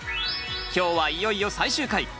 今日はいよいよ最終回。